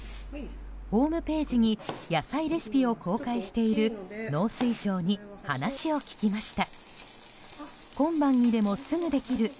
ホームページに野菜レシピを公開している農水省に話を聞きました。